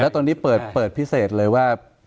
ตอนนี้เปิดพิเศษเลยว่า